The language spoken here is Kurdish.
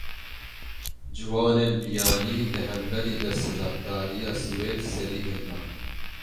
Ciwanên biyanî, li hemberî desthilatdariya Swêd serî hildan